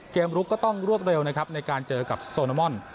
ลุกก็ต้องรวดเร็วนะครับในการเจอกับโซนามอน